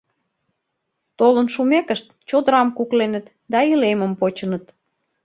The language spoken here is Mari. Толын шумекышт, чодырам кукленыт да илемым почыныт.